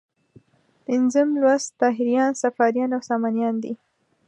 پنځم لوست طاهریان، صفاریان او سامانیان دي.